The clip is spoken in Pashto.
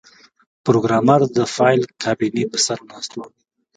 پروګرامر د فایل کابینې په سر ناست و